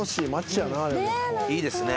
いいですね。